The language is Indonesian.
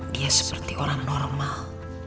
dia seperti orang normal